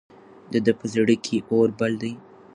د ده په زړه کې اور بل دی.